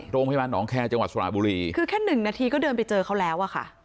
โรงพยาบาลหนองแคร์จังหวัดสระบุรีคือแค่หนึ่งนาทีก็เดินไปเจอเขาแล้วอะค่ะ